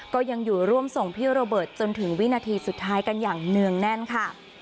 ก็ยังอยู่ร่วมส่งพี่โรเบิร์ตจนถึงวินาทีสุดท้ายกันอย่างเนื่องแน่นค่ะ